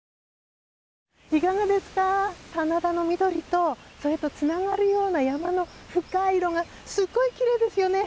棚田の緑とそれとつながるような山の深い色がすごいきれいですよね。